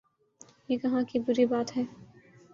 یہ کہاں کی بری بات ہے؟